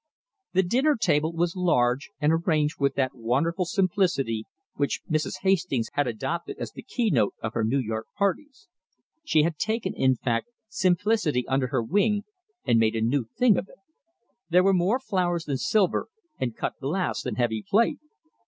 The dinner table was large, and arranged with that wonderful simplicity which Mrs. Hastings had adopted as the keynote of her New York parties. She had taken, in fact, simplicity under her wing and made a new thing of it. There were more flowers than silver, and cut glass than heavy plate.